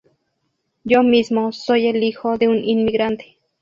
Yo mismo soy el hijo de un inmigrante.